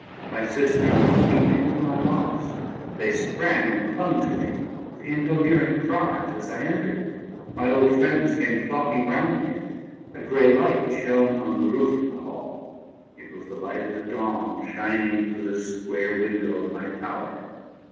My sisters were weeping for my loss. They sprang up and clung to me, with incoherent cries, as I entered. My old friends came flocking round me. A gray light shone on the roof of the hall. It was the light of the dawn shining through the square window of my tower.